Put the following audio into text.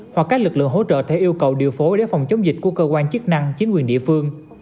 hoặc các lực lượng hỗ trợ theo yêu cầu điều phối để phòng chống dịch của cơ quan chức năng chính quyền địa phương